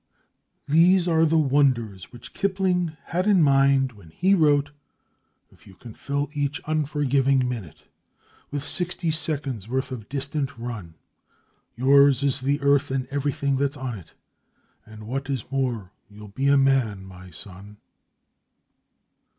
These are the wonders which Kipling had in mind when he wrote: _If you can fill each unforgiving minute With sixty seconds worth of distance run, Yours is the earth and everything that's on it, And, what is more, you'll be a man, my son!